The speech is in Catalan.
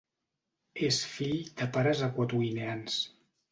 És fill de pares equatoguineans.